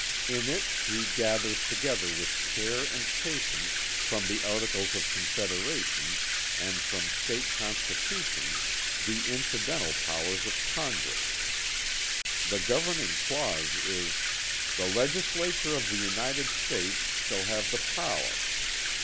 In it he gathers together with care and patience from the Articles of Confederation and from State Constitutions the incidental powers of Congress. The governing clause is, "The Legislature of the United States shall have the power."